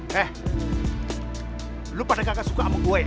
heeh lu pada kagak suka sama gua ya